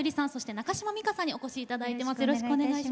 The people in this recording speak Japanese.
中島美嘉さんにもお越しいただいています。